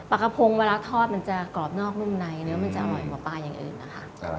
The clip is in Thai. กระพงเวลาทอดมันจะกรอบนอกนุ่มในเนื้อมันจะอร่อยกว่าปลาอย่างอื่นนะคะ